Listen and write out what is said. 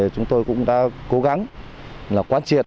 chúng tôi cũng đã cố gắng quan triệt cán bộ chiến sĩ